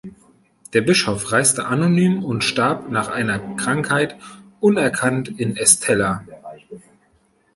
Der Bischof reiste anonym und starb nach einer Krankheit unerkannt in Estella.